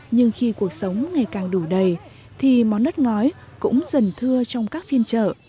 nhưng khi cuộc sống ngày càng đủ đầy thì món đất ngói cũng dần thưa trong các phiên chợ